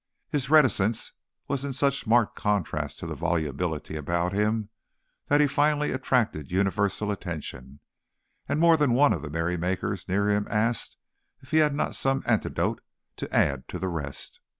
His reticence was in such marked contrast to the volubility about him that he finally attracted universal attention, and more than one of the merry makers near him asked if he had not some anecdote to add to the rest.